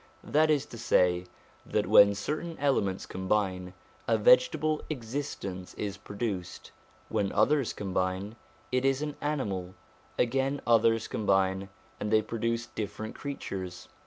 That is to say, that when certain elements combine, a vege table existence is produced; when others combine, it is an animal; again others combine, and they pro duce different creatures.